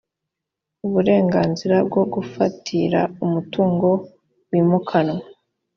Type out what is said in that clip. uburenganzira bwo gufatira umutungo wimukanwa